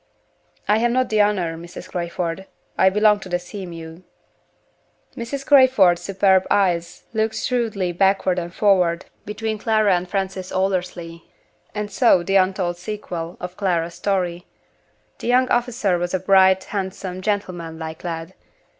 "I have not the honor, Mrs. Crayford. I belong to the Sea mew." Mrs. Crayford's superb eyes looked shrewdly backward and forward between Clara and Francis Aldersley, and saw the untold sequel to Clara's story. The young officer was a bright, handsome, gentleman like lad.